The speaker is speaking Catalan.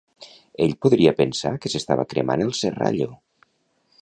Ell podria pensar que s'estava cremant el Serrallo!